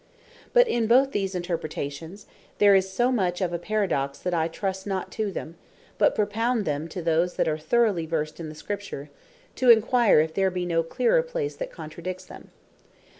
But in both these interpretations, there is so much of paradox, that I trust not to them; but propound them to those that are throughly versed in the Scripture, to inquire if there be no clearer place that contradicts them.